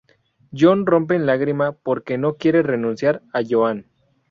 John rompe en lágrimas, porque no quiere renunciar a Joan.